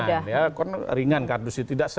karena ringan kardus itu